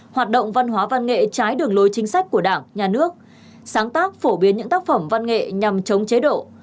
hoạt động văn hóa văn nghệ trái đường lối chính sách của đảng nhà nước sáng tác phổ biến những tác phẩm văn nghệ nhằm chống chế độ